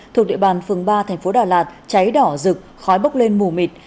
thuộc địa bàn phường ba thành phố đà lạt cháy đỏ rực khói bốc lên mù mịt